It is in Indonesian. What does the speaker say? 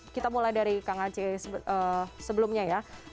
kita mulai dari kang aceh sebelumnya ya